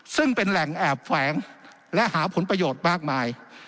ซึ่งเป็นแหล่งแอบแฝงและหาผลประโยชน์มากมาย